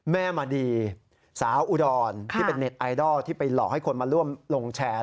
แม่มณีสาวอุดรที่เป็นเน็ตไอดอลที่ไปหลอกให้คนมาร่วมลงแชร์